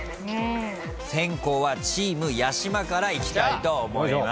先攻はチーム八嶋からいきたいと思います。